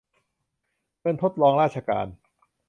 เงินทดรองราชการ